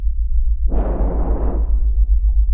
Furieux, Pat avait sévèrement frappé ce dernier.